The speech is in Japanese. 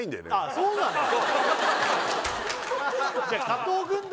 そうなんだ